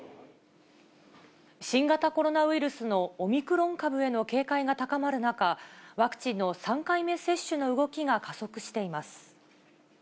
新型コロナウイルスのオミクロン株への警戒が高まる中、ワクチンの３回目接種の動きが加速しています。